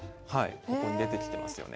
ここに出てきてますよね。